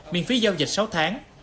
miễn phí giao dịch sáu tháng